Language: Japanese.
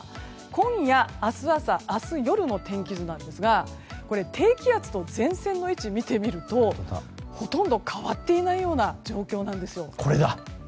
今夜、明日朝、明日夜の天気図なんですが低気圧と前線の位置を見てみるとほとんど変わっていないような状況なんですよ。